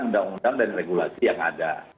undang undang dan regulasi yang ada